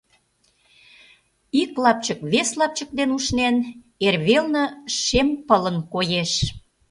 Ик лапчык вес лапчык дене ушнен, эрвелне шем пылын коеш.